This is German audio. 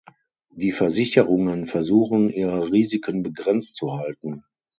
Die Versicherungen versuchen, ihre Risiken begrenzt zu halten.